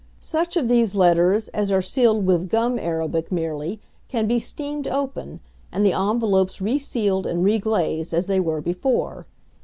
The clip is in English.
Such of these letters as are sealed with gum arabic merely, can be steamed open, and the envelopes resealed and reglazed as they were before.